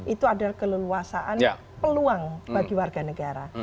itu adalah keleluasaan peluang bagi warga negara